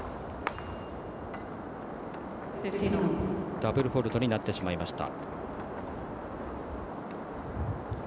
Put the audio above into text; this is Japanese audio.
ダブルフォールトになってしまいました。